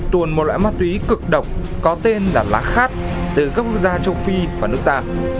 tuần một loại ma túy cực độc có tên là lá khát từ các quốc gia châu phi và nước ta